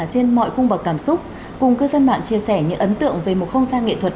trên mọi cung bậc cảm xúc cùng cư dân mạng chia sẻ những ấn tượng về một không gian nghệ thuật